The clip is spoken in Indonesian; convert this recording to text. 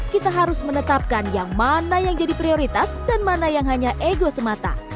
kita harus menetapkan yang mana yang jadi prioritas dan mana yang hanya ego semata